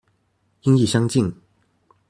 音亦相近